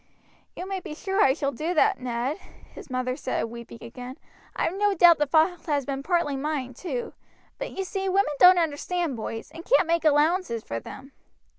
"You may be sure I shall do that, Ned," his mother said, weeping again. "I have no doubt the fault has been partly mine too, but you see women don't understand boys, and can't make allowances for them."